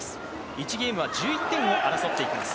１ゲームは１１点を争っていきます。